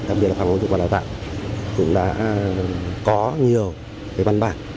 đặc biệt là phòng ứng dụng và đào tạo cũng đã có nhiều văn bản